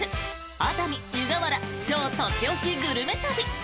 熱海・湯河原超とっておきグルメ旅。